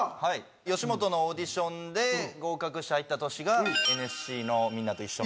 吉本のオーディションで合格して入った年がＮＳＣのみんなと一緒の年ですね。